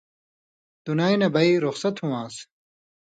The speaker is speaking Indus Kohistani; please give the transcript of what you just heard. دُنَیں نہ بئ (رُخصت ہُو) آن٘س۔